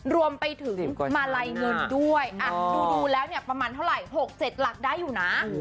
รวมไปถึงมาลัยเงินด้วยดูแล้วเนี่ยประมาณเท่าไหร่๖๗หลักได้อยู่นะ